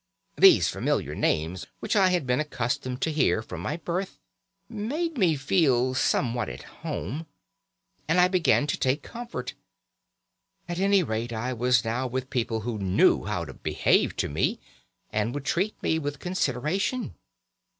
These familiar names, which I had been accustomed to hear from my birth, made me feel somewhat at home, and I began to take comfort. At any rate, I was now with people who knew how to behave to me, and would treat me with consideration.